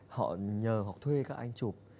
họ nhờ hoặc thuê các anh chụp